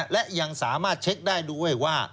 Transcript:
และยังสามารถเช็คได้ด้วยว่า